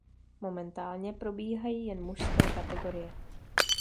Momentálně probíhají jen mužské kategorie.